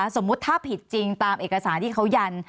สมมุติถ้าผิดจริงตามเอกสารที่เขายัน